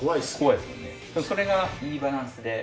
でもそれがいいバランスで。